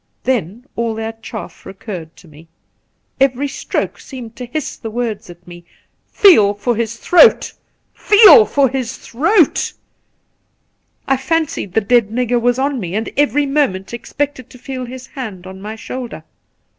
Then all their chaff recurred to me. Every stroke seemed to hiss the words at me, 'Feel for his throat! Feel for his throat I' I fancied the dead nigger was on me, and every moment expected to feel his hand on my shoulder.